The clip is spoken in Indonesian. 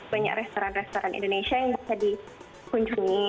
banyak restoran restoran indonesia yang bisa dikunjungi